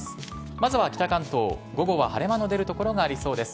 まずは北関東、午後は晴れ間の出る所がありそうです。